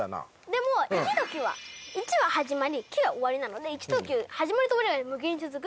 でも１と９は１は始まり９は終わりなので１と９始まりと終わりが無限に続く。